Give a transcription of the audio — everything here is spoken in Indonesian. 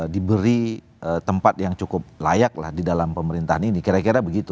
diberi tempat yang cukup layak lah di dalam pemerintahan ini kira kira begitu